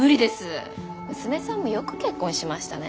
娘さんもよく結婚しましたね